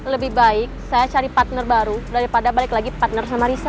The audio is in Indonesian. lebih baik saya cari partner baru daripada balik lagi partner sama risa